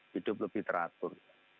hidup lebih teratur